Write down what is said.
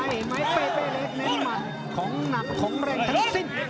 ไม้เป้เป้เล็กในมัดของหนักของแรงทั้งสิ้น